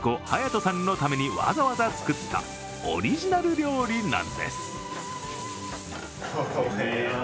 斗さんのためにわざわざ作ったオリジナル料理なんです。